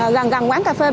gần gần quán cà phê của tôi